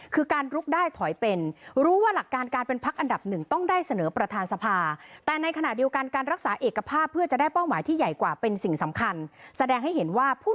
คือการลุกได้ถอยเป็น